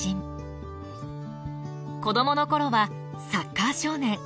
子どものころはサッカー少年。